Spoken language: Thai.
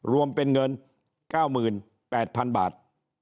รวมเป็นเงิน๙๘๐๐๐บาท